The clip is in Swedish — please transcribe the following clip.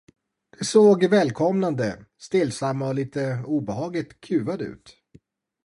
De såg välkammade, stillsamma och lite obehagligt kuvade ut.